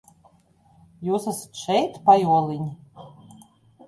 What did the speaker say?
Jūs esat šeit, pajoliņi?